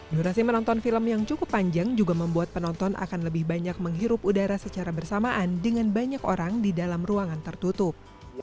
durasi menonton film yang cukup panjang juga membuat penonton akan lebih banyak menghirup udara secara bersamaan dengan banyak orang di dalam ruangan tertutup